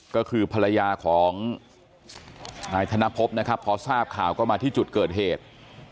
ก็คือภรรยาของนายธนพบนะครับพอทราบข่าวก็มาที่จุดเกิดเหตุ